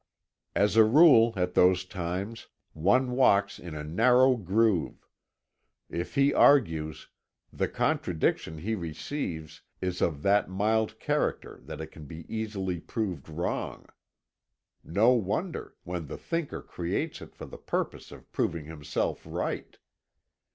As a rule, at those times, one walks in a narrow groove; if he argues, the contradiction he receives is of that mild character that it can be easily proved wrong. No wonder, when the thinker creates it for the purpose of proving himself right.